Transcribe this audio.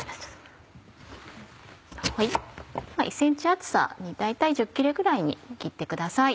１ｃｍ厚さに大体１０切れぐらいに切ってください。